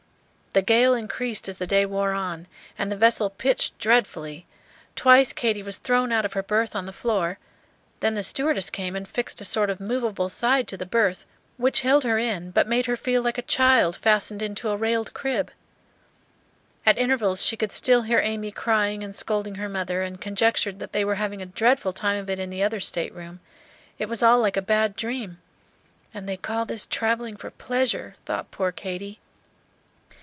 The gale increased as the day wore on, and the vessel pitched dreadfully. Twice Katy was thrown out of her berth on the floor; then the stewardess came and fixed a sort of movable side to the berth, which held her in, but made her feel like a child fastened into a railed crib. At intervals she could still hear Amy crying and scolding her mother, and conjectured that they were having a dreadful time of it in the other stateroom. It was all like a bad dream. "And they call this travelling for pleasure!" thought poor Katy.